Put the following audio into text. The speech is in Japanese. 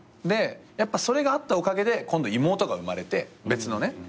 でやっぱそれがあったおかげで今度妹が生まれて別のね。